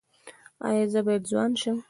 ایا زه باید ځوان شم؟